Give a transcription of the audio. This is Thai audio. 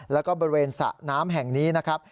แล้วก็บริเวณสระน้ำแห่งนี้นะครับ